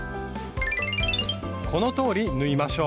このとおり縫いましょう。